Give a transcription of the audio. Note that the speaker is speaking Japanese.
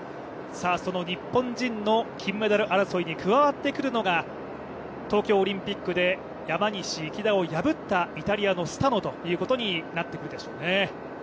その日本人の金メダル争いに加わってくるのが東京オリンピックで山西、池田を破ったイタリアのスタノということになってくるでしょうね。